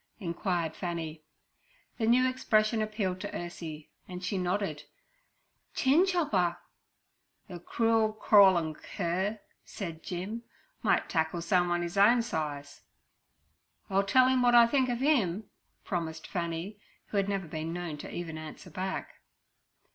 inquired Fanny. The new expression appealed to Ursie, and she nodded 'Chin chopper.' 'Ther crool crawlin' cur' said Jim, 'might tackle someun 'is own size.' 'I'll tell 'im wot I think ov 'im' promised Fanny, who had never been known to even answer back.